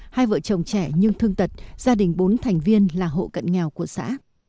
hai vợ chồng trẻ nhưng thương tật gia đình bốn thành viên là hộ cận nghèo của xã